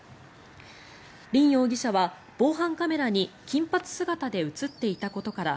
リン容疑者は防犯カメラに金髪姿で映っていたことから